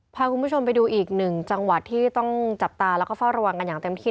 พาคุณผู้ชมไปดูอีกหนึ่งจังหวัดที่ต้องจับตาแล้วก็เฝ้าระวังกันอย่างเต็มที่